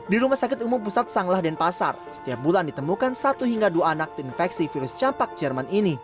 di rumah sakit umum pusat sanglah denpasar setiap bulan ditemukan satu hingga dua anak terinfeksi virus campak jerman ini